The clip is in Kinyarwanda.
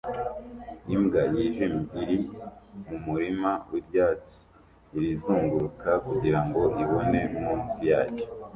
imbwa yijimye iri mumurima wibyatsi irizunguruka kugirango ibone munsi yacyo